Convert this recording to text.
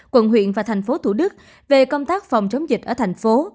quận huyện và thành phố thủ đức về công tác phòng chống dịch ở thành phố